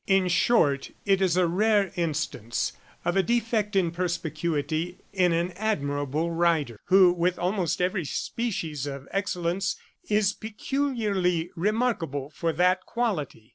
In short, it is a rare instance of a defect in perspicuity in an admirable writer, who with almost every species of excellence, is peculiarly remarkable for that quality.